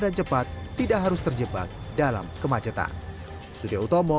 dan cepat tidak harus terjebak dalam kemacetan